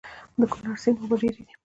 د کونړ سيند اوبه ډېرې دي